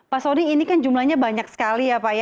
pak sony ini kan jumlahnya banyak sekali ya pak